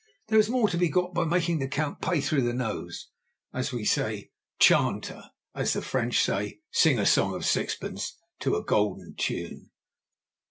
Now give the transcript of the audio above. There is more to be got by making the Count pay through the nose, as we say; chanter, as the French say; "sing a song of sixpence"—to a golden tune.